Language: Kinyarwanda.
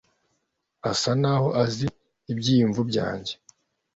Asa naho azi ibyiyumvo byanjye.